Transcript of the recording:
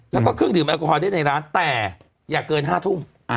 แล้วก็เครื่องดื่มแอลกอฮอลได้ในร้านแต่อย่าเกิน๕ทุ่ม